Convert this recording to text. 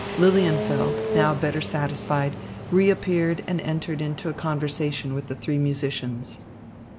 Lilienfeld, now better satisfied, reappeared and entered into a conversation with the three musicians.